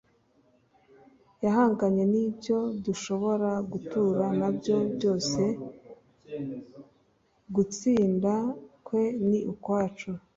Yahanganye n'ibyo dushobora gutura na byo byose. Gutsinda kwe ni ukwacu.